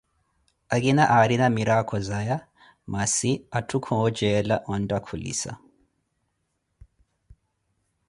Akina aariina mihakhu zaya, masi, atthu khocela onttakhulisa.